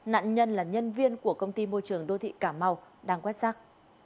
nạn nhân là nhân viên của công ty môi trường đô thị cà mau đang quét rác